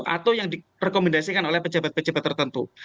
atau yang direkomendasikan oleh pejabat pejabat tertentu